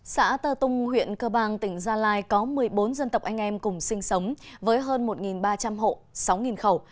xã tơ tung huyện cơ bang tỉnh gia lai có một mươi bốn dân tộc anh em cùng sinh sống với hơn một ba trăm linh hộ sáu khẩu